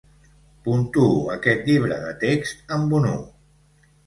Puntuo aquest llibre de text amb un u.